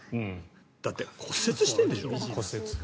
だって骨折してるんでしょ？